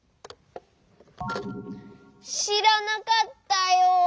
しらなかったよ。